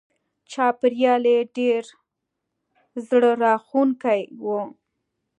چاپېریال یې ډېر زړه راښکونکی و.